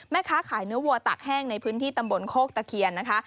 แม่ค้าขายเนื้อวัวตากแห้งในพื้นที่ตำบลโคกตะเคียนนะคะ